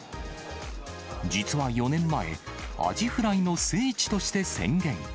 実は４年前、アジフライの聖地として宣言。